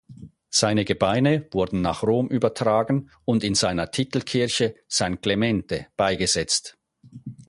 Seine Gebeine wurden nach Rom übertragen und in seiner Titelkirche "San Clemente" beigesetzt.